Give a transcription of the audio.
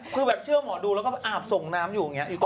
คือเครื่องหมดดูแล้วก็อาฟส่งน้ำอยู่แบบงี้